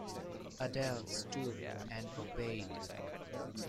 Adele stooped and obeyed.